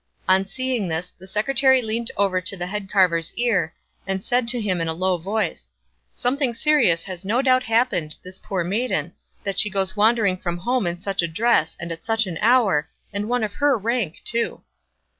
On seeing this the secretary leant over to the head carver's ear, and said to him in a low voice, "Something serious has no doubt happened this poor maiden, that she goes wandering from home in such a dress and at such an hour, and one of her rank too."